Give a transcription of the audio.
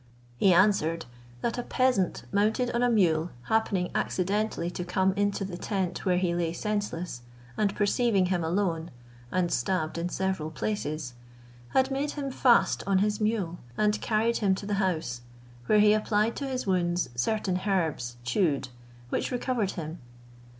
He answered, that a peasant mounted on a mule happening accidentally to come into the tent, where he lay senseless, and perceiving him alone, and stabbed in several places, had made him fast on his mule, and carried him to his house, where he applied to his wounds certain herbs chewed, which recovered him.